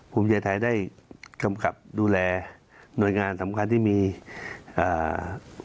ภูมิใจไทยได้กำกับดูแลหน่วยงานสำคัญที่มีอ่า